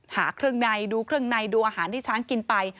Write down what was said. หาเครื่องในดูอาหารที่ช้างกินไป